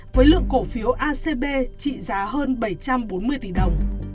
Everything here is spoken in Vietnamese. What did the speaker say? với lượng cổ phiếu acb trị giá hơn bảy trăm bốn mươi tỷ đồng